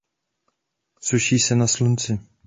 Suší se na slunci.